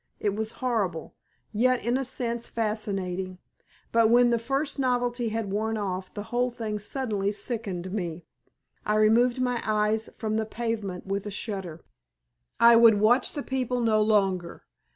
It was horrible, yet in a sense fascinating. But when the first novelty had worn off the whole thing suddenly sickened me. I removed my eyes from the pavement with a shudder. I would watch the people no longer.